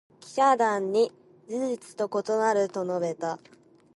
記者団に「事実と異なる」と述べた。